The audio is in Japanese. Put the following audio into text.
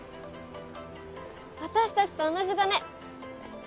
私たちと同じだね！